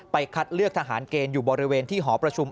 คัดเลือกทหารเกณฑ์อยู่บริเวณที่หอประชุม